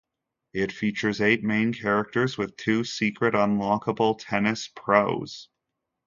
It features eight main characters with two secret, unlockable tennis pros.